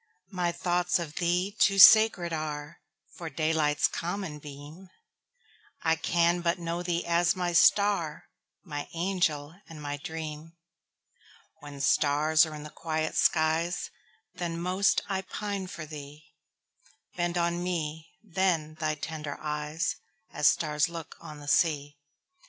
My thoughts of thee too sacred areFor daylight's common beam:I can but know thee as my star, My angel and my dream; When stars are in the quiet skies, Then most I pine for thee; Bend on me then thy tender eyes, As stars look on the sea!